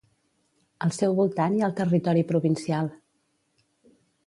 Al seu voltant hi ha el territori provincial.